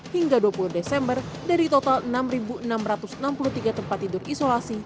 hingga dua puluh desember dari total enam enam ratus enam puluh tiga tempat tidur isolasi